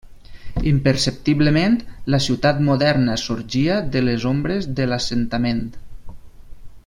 Imperceptiblement, la ciutat moderna sorgia de les ombres de l'assentament.